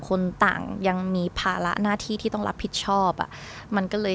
คนต่างยังมีภาระหน้าที่ที่ต้องรับผิดชอบอ่ะมันก็เลย